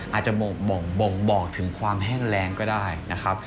อาจจะบ่งบอกถึงความแห้งแรงก็ได้นะครับ